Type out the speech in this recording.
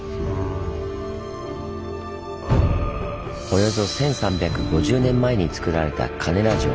およそ１，３５０年前につくられた金田城。